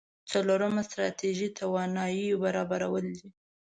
څلورمه ستراتيژي تواناییو برابرول دي.